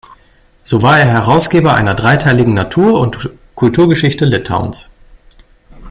So war er Herausgeber einer dreiteiligen „Natur- und Kulturgeschichte Litauens“.